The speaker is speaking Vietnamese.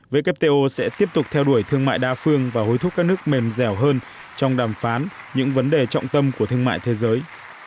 wto sẽ tiếp tục theo đuổi thương mại đa phương và hối thúc các nước mềm dẻo hơn trong đàm phán những vấn đề trọng tâm của thương mại thế giới